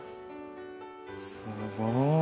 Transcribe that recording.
すごい。